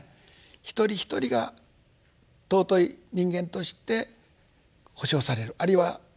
一人一人が尊い人間として保障されるあるいは誇りを持つ。